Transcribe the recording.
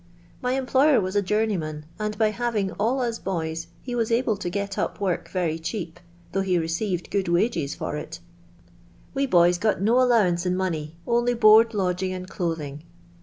My employer was a jounieyman, niid by having all us boys he was able^ii get up work viry rln ap, though he received good wages for it. We boyit had no allowance in money, only board, lodging', and clothing.